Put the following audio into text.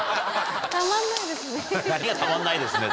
何が「たまんないですね」